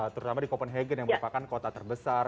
terutama di copenhagen yang merupakan kota terbesar